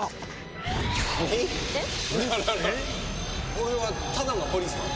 俺はただのポリスマン。